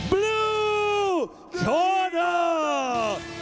เบลูเทอร์เดอร์